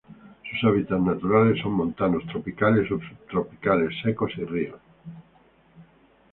Sus hábitats naturales son montanos tropicales o subtropicales secos y ríos.